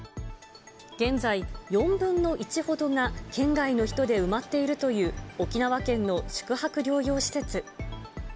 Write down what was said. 現在、４分の１ほどが県外の人で埋まっているという、沖縄県の宿泊療養施設。